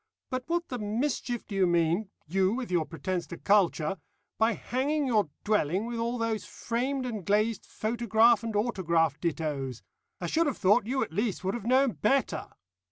But what the mischief do you mean you, with your pretence to culture by hanging your dwelling with all those framed and glazed photograph and autograph dittoes? I should have thought you at least would have known better.